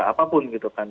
apapun gitu kan